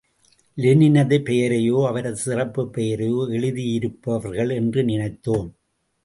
லெனினது பெயரையோ, அவரது சிறப்புப் பெயரையோ எழுதியிருப்பார்கள் என்று நினைத்தோம்.